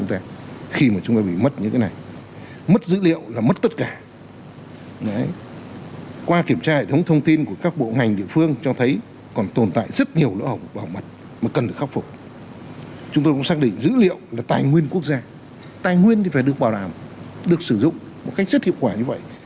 tài nguyên phải được bảo đảm được sử dụng một cách rất hiệu quả như vậy